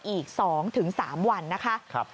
อีก๒๓วันนะคะครับครับ